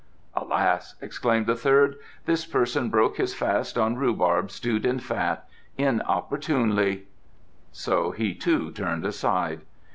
"Alas!" exclaimed the third. "This person broke his fast on rhubarb stewed in fat. Inopportunely " So he too turned aside.